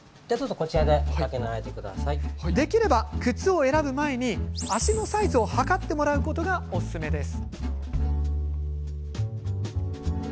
できれば靴を選ぶ前に足のサイズを測ってもらうことがおすすめです。